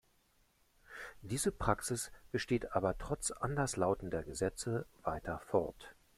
Diese Praxis besteht aber trotz anderslautender Gesetze weiter fort.